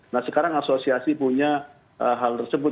nah sekarang asosiasi punya hal tersebut